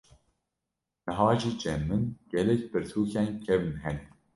niha jî cem min gelek pirtukên kevn hene.